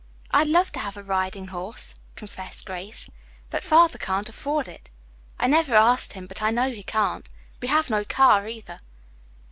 "I'd love to have a riding horse," confessed Grace, "but Father can't afford it. I've never asked him, but I know he can't. We have no car either."